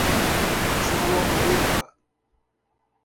João Neiva